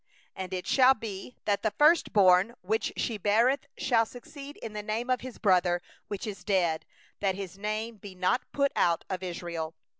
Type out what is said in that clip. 6And it shall be, that 25 the first born that she beareth shall succeed in the name of his brother that is dead, that his name be not blotted out of Israel.